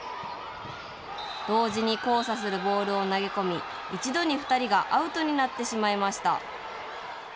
同時に交差するボールを投げ込み一度に２人がアウトになってしまいました。